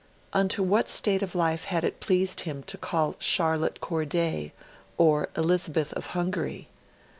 Unto what state of life had it pleased Him to call Charlotte Corday, or Elizabeth of Hungary?